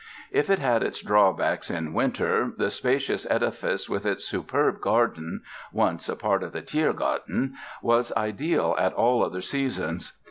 If it had its drawbacks in winter the spacious edifice with its superb garden (once a part of the Tiergarten) was ideal at all other seasons.